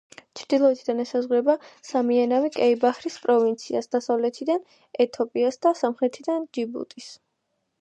ჩრდილოეთიდან ესაზღვრება სემიენავი-კეი-ბაჰრის პროვინციას, დასავლეთიდან ეთიოპიას და სამხრეთიდან ჯიბუტის.